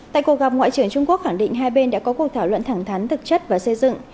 tại cuộc gặp ngoại trưởng trung quốc khẳng định hai bên đã có cuộc thảo luận thẳng thắn thực chất và xây dựng